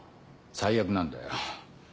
最悪なんだよ。